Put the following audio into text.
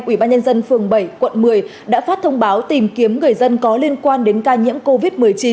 ủy ban nhân dân phường bảy quận một mươi đã phát thông báo tìm kiếm người dân có liên quan đến ca nhiễm covid một mươi chín